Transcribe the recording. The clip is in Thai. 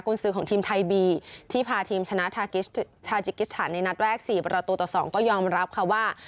คุณซื้อของทีมไทยบีที่พาทีมชนะทาจิกิสถานในนัดแรก๔ประตูต่อ๒ก็ยอมรับค่ะว่า